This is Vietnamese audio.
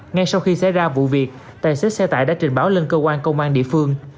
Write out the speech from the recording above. ngay sau khi xảy ra vụ việc tài xế xe tải đã trình báo lên cơ quan công an địa phương